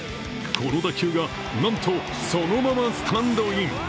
この打球が、なんとそのままスタンドイン。